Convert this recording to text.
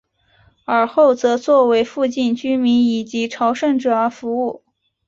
尔后则作为附近居民以及朝圣者而服务。